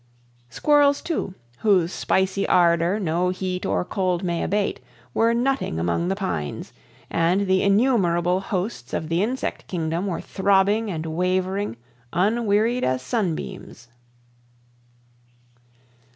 Squirrels, too, whose spicy ardor no heat or cold may abate, were nutting among the pines, and the innumerable hosts of the insect kingdom were throbbing and wavering unwearied as sunbeams.